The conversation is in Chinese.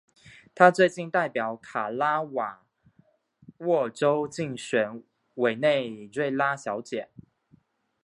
她最近代表卡拉沃沃州竞选委内瑞拉小姐。